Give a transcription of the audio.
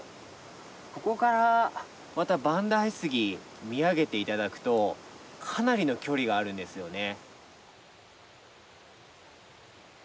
ここからまた万代杉見上げて頂くとかなりの距離があるんですよね。